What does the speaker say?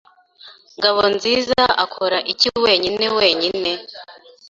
Ngabonziza akora iki wenyine wenyine?